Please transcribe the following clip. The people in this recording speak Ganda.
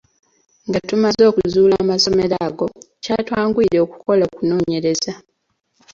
Nga tumaze okuzuula amasomero ago, kyatwanguyira okukola okunoonyereza.